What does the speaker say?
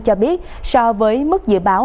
cho biết so với mức dự báo